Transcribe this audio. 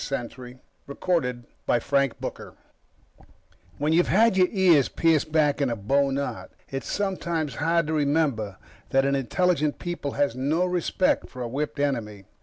SENTRY _When you've had your ears pinned back in a bowknot, it's sometimes hard to remember that an intelligent people has no respect for a whipped enemy